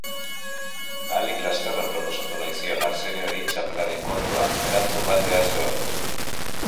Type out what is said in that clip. Ahalik lasterren proposatu nahi zion Arseniori txapelaren kontua, erantzun bat behar zuen.